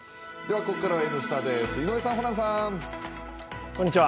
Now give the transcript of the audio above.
ここからは「Ｎスタ」です、井上さん、ホランさん。